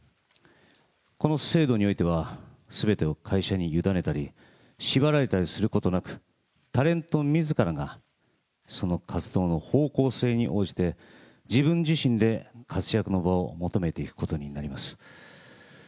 この制度においては、すべてを会社に委ねたり、縛られたりすることなく、タレントみずからが、その活動の方向性に応じて、自分自身で活躍の場を求めていくことになります。